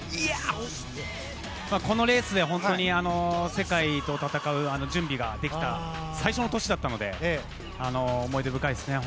このレースで本当に世界と戦う準備ができた最初の年だったので思い出深いですね。